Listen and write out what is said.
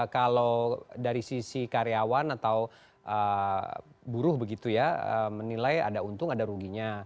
kalau dari sisi karyawan atau buruh begitu ya menilai ada untung ada ruginya